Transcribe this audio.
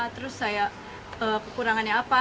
terus saya kekurangannya apa